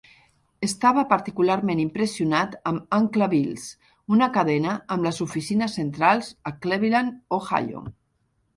Estava particularment impressionat amb Uncle Bill's, una cadena amb les oficines centrals a Cleveland, Ohio.